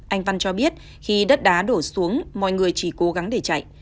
anh văn cho biết khi đất đá đổ xuống mọi người chỉ cố gắng để chạy